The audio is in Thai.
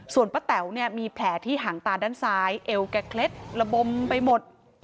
ส่วนป้าแต๋วเนี่ยมีแผลที่หางตาด้านซ้ายเอวแกเคล็ดระบมไปหมด